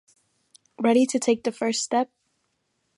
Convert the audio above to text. Ready to take the first step?